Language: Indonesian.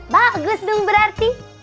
bagus dong berarti